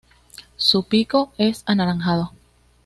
Su pico es anaranjado.